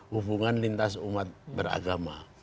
hubungan lintas umat beragama